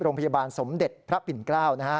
โรงพยาบาลสมเด็จพระปิ่นเกล้านะฮะ